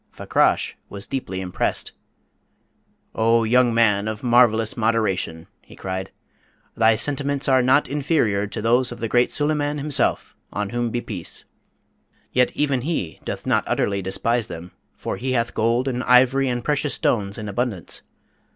Fakrash was deeply impressed. "O young man of marvellous moderation!" he cried. "Thy sentiments are not inferior to those of the Great Suleyman himself (on whom be peace!). Yet even he doth not utterly despise them, for he hath gold and ivory and precious stones in abundance.